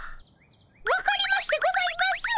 分かりましてございます！